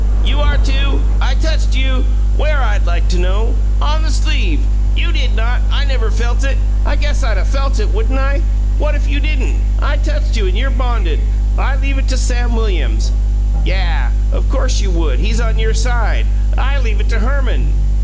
"You are, too! I touched you." "Where, I'd like to know!" "On the sleeve." "You did not! I never felt it. I guess I'd 'a' felt it, wouldn't I?" "What if you didn't? I touched you, and you're bonded. I leave it to Sam Williams." "Yah! Course you would! He's on your side! I leave it to Herman."